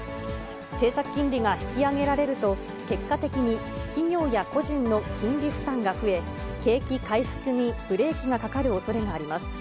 政策金利が引き上げられると、結果的に企業や個人の金利負担が増え、景気回復にブレーキがかかるおそれがあります。